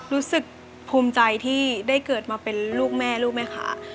รู้สึกภูมิใจที่ได้เกิดมาเป็นลูกแม่ลูกแม่ค้า